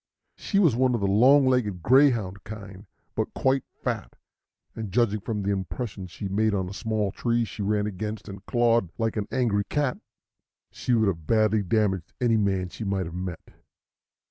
She was one of the long legged greyhound kind, but quite fat; and, judging from the impression she made on a small tree she ran against and clawed like an angry cat, she would have badly damaged any man she might have met.